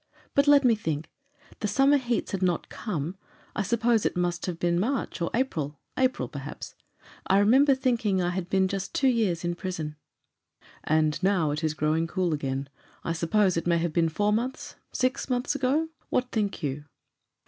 "But let me think. The summer heats had not come; I suppose it must have been March or April April, perhaps. I remember thinking I had been just two years in prison." "And now it is growing cool again. I suppose it may have been four months six months ago. What think you?"